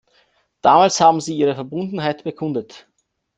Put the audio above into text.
Damals haben Sie ihre Verbundenheit bekundet.